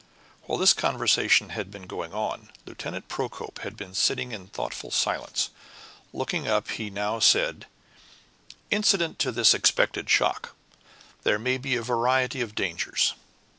While this conversation had been going on, Lieutenant Procope had been sitting in thoughtful silence. Looking up, he now said, "Incident to this expected shock, there may be a variety of dangers.